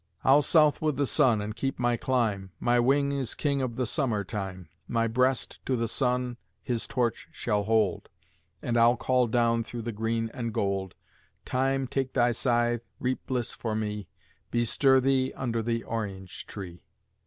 "I'll south with the sun, and keep my clime; My wing is king of the summer time; My breast to the sun his torch shall hold; And I'll call down through the green and gold Time, take thy scythe, reap bliss for me, Bestir thee under the orange tree."